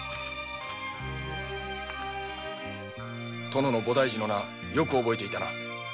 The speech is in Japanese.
殿のお寺の名よく覚えていたな。